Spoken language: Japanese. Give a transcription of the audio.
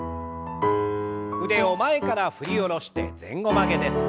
腕を前から振り下ろして前後曲げです。